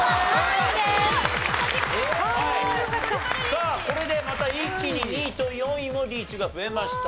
さあこれでまた一気に２位と４位もリーチが増えました。